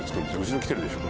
後ろ来てるでしょ